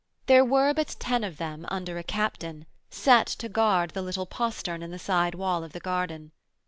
There were but ten of them, under a captain, set to guard the little postern in the side wall of the garden.